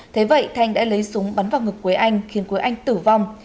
thế vậy thanh đã lấy súng bắn vào ngực quế anh khiến quế anh tử vong